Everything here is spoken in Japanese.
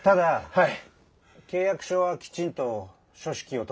はい。